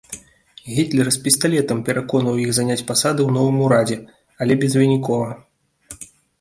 Гітлер з пісталетам пераконваў іх заняць пасады ў новым урадзе, але безвынікова.